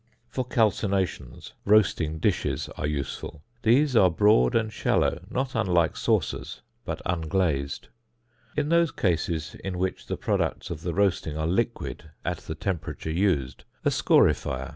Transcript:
For calcinations, roasting dishes are useful: these are broad and shallow, not unlike saucers, but unglazed. In those cases in which the products of the roasting are liquid at the temperature used, a scorifier (fig.